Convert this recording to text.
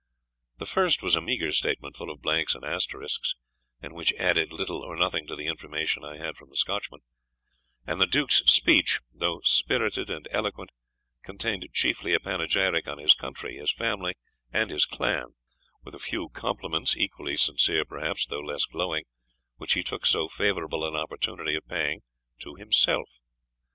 The first was a meagre statement, full of blanks and asterisks, and which added little or nothing to the information I had from the Scotchman; and the Duke's speech, though spirited and eloquent, contained chiefly a panegyric on his country, his family, and his clan, with a few compliments, equally sincere, perhaps, though less glowing, which he took so favourable an opportunity of paying to himself.